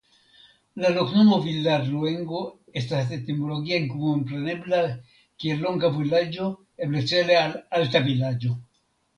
La loknomo "Villarluengo" estas etimologie komprenebla kiel "Longa Vilaĝo" eble cele al "Alta Vilaĝo".